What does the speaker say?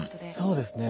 そうですね